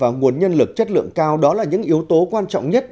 và nguồn nhân lực chất lượng cao đó là những yếu tố quan trọng nhất